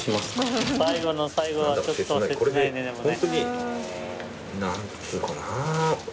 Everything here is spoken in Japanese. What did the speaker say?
最後の最後はちょっとせつないねでもね。